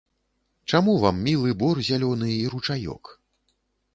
Чаму вам мілы бор зялёны і ручаёк?